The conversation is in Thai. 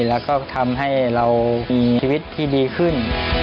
แล้วก็ทำให้เรามีชีวิตที่ดีขึ้น